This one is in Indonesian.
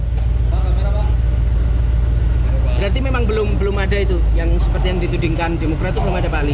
berarti memang belum ada itu yang seperti yang ditudingkan demokrat itu belum ada pak ali